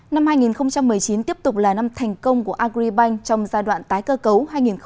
năm hai nghìn một mươi chín tiếp tục là năm thành công của agribank trong giai đoạn tái cơ cấu hai nghìn một mươi sáu hai nghìn hai mươi